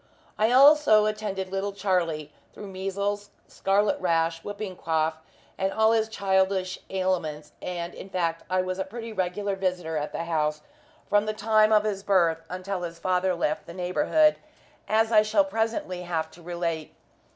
I also attended little Charlie through measels, scarlet rash, whooping cough, and all his childish ailments; and in fact I was a pretty regular visitor at the house from the time of his birth until his father left the neighbourhood, as I shall presently have to relate.